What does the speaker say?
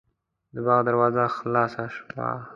د باغ دروازه خلاصه شوه.